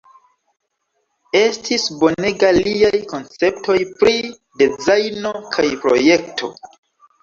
Estis bonega liaj konceptoj pri dezajno kaj projekto.